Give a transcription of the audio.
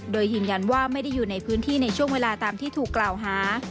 โดยยืนยันว่าไม่ได้อยู่ในพื้นที่ในช่วงเวลาตามที่ถูกกล่าวหา